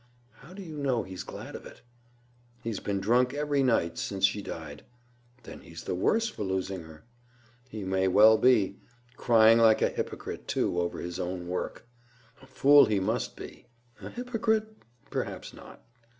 "How do you know he's glad of it?" "He's been drunk every night since she died." "Then he's the worse for losing her?" "He may well be. Crying like a hypocrite, too, over his own work!" "A fool he must be. A hypocrite, perhaps not.